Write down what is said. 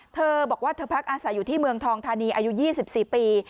เธอบอกว่าเธอพักอาศัยอยู่ที่เมืองทองธานีอายุ๒๔ปี